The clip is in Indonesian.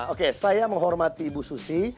oke saya menghormati ibu susi